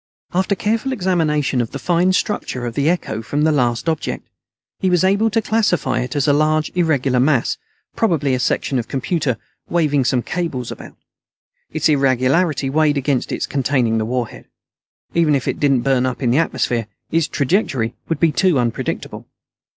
After careful examination of the fine structure of the echo from the last object, he was able to classify it as a large irregular mass, probably a section of computer, waving some cables about. Its irregularity weighed against its containing the warhead. Even if it didn't burn up in the atmosphere, its trajectory would be too unpredictable.